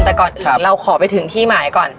แต่ก่อนอื่นเราขอไปถึงที่หมายก่อน